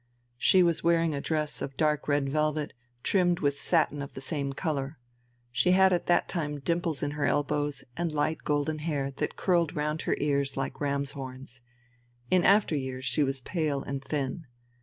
She was wearing a dress of dark red velvet, trimmed with satin of the same colour. She had at that time dimples in her elbows, and light golden hair, that curled round her ears like ram's horns. In after years she was pale and thin.